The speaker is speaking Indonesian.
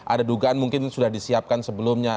ada dugaan mungkin sudah disiapkan sebelumnya